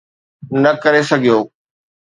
نه ڪري سگهيو.